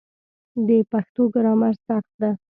د پښتو ګرامر سخت ده